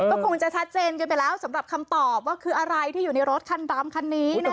ก็คงจะชัดเจนกันไปแล้วสำหรับคำตอบว่าคืออะไรที่อยู่ในรถคันดำคันนี้นะคะ